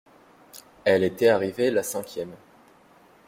Elle était arrivée la cinquième.